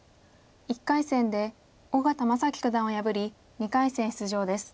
１回戦で小県真樹九段を破り２回戦出場です。